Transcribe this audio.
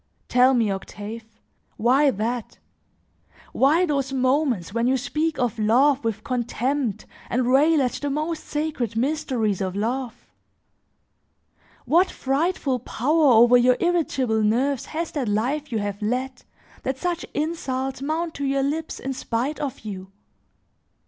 Tell me, Octave, why that? Why those moments when you speak of love with contempt and rail at the most sacred mysteries of love? What frightful power over your irritable nerves has that life you have led, that such insults mount to your lips in spite of you?